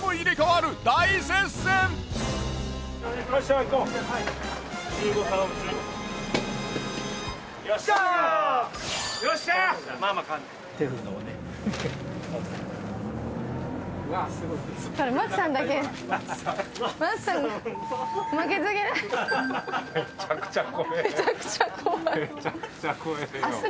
むちゃくちゃ怖い。